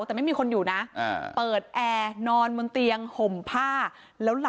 แต่ไม่มีคนอยู่นะเปิดแอร์นอนบนเตียงห่มผ้าแล้วหลับ